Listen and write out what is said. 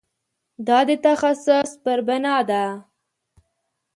دا د تخصص پر بنا ده.